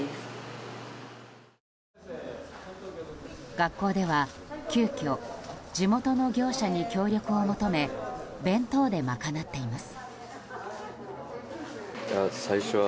学校では急きょ地元の業者に協力を求め弁当で賄っています。